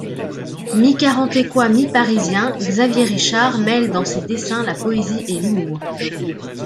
Mi-Carantécois, mi-Parisien, Xavier Richard mêle dans ses dessins la poésie et l'humour.